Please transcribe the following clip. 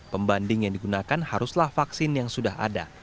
pembanding yang digunakan haruslah vaksin yang sudah ada